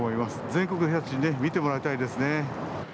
全国各地で見てもらいたいですね。